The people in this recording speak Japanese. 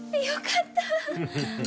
よかった。